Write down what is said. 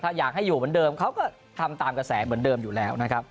ถ้าอยากให้อยู่เหมือนเดิมเขาก็ทำตามกระแสเหมือนเดิมอยู่แล้วนะครับ